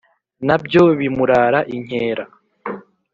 Na byo bimurara inkera;